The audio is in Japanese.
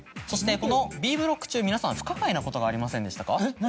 そしてこのＢブロック中皆さん不可解なことがありませんでしたか？